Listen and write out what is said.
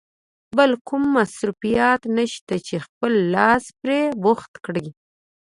بل کوم مصروفیت نشته چې خپل لاس پرې بوخت کړې.